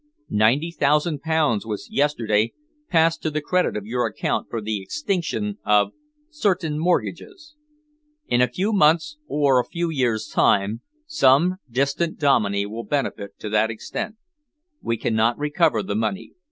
Ninety thousand pounds was yesterday passed to the credit of your account for the extinction of certain mortgages. In a few months' or a few years' time, some distant Dominey will benefit to that extent. We cannot recover the money.